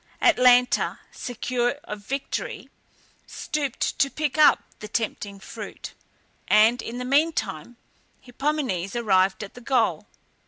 Atalanta, secure of victory, stooped to pick up the tempting fruit, and, in the meantime, Hippomenes arrived at the goal.